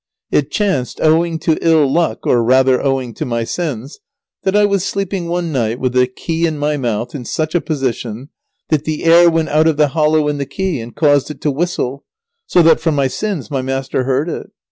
It chanced, owing to ill luck, or rather owing to my sins, that I was sleeping one night with the key in my mouth in such a position that the air went out of the hollow in the key and caused it to whistle so that, for my sins, my master heard it.